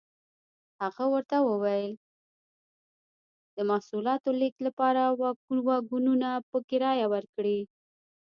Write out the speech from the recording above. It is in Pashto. هغه ورته وویل د محصولاتو لېږد لپاره واګونونه په کرایه ورکړي.